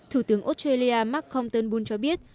thủ tướng australia malcolm turnbull cho biết